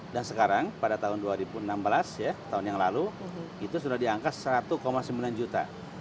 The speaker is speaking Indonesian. dan sekarang pada tahun dua ribu enam belas ya tahun yang lalu itu sudah diangkat satu sembilan juta